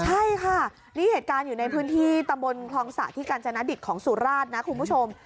ใช่ค่ะนี่เหตุการณ์อยู่ในพื้นที่ตำบลคลองศะที่กาญจนดิตของสุราชนะคุณผู้ชม